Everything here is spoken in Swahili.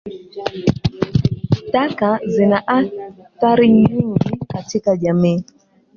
Taka zina athari nyingi katika jamii.